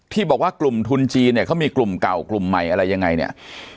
ที่บอกว่ากลุ่มทูลจีนมีกลุ่มเก่ากลุ่มใหม่เสมอ